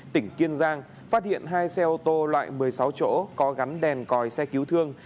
tỉnh kiên giang phát hiện hai xe ô tô loại một mươi sáu chỗ có gắn đèn còi xe cứu thương